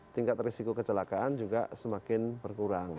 tingkat risiko kecelakaan juga semakin berkurang